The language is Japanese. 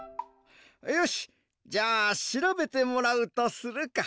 よしじゃあしらべてもらうとするか。